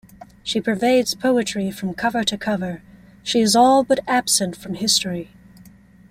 She pervades poetry from cover to cover; she is all but absent from history.